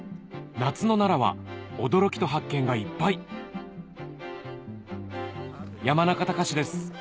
夏の奈良は驚きと発見がいっぱい山中崇です